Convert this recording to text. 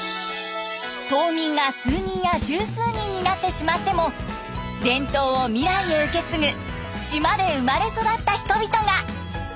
島民が数人や十数人になってしまっても伝統を未来へ受け継ぐ島で生まれ育った人々が。